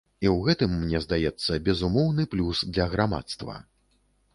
І ў гэтым, мне здаецца, безумоўны плюс для грамадства.